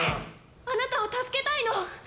あなたを助けたいの！